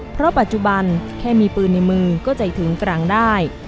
เพราะปัจจุบันแค่มีปืนในมือก็ใจถึงฝรั่งได้